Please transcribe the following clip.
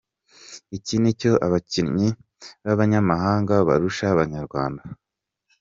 Iki nicyo abakinnyi b’abanyamahanga barusha Abanyarwanda.